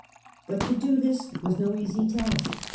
But to do this was no easy task.